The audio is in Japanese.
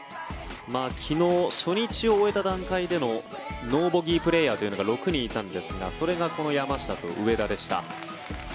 昨日初日を終えた段階でのノーボギープレーヤーというのが６人いたんですがそれがこの山下と上田でした。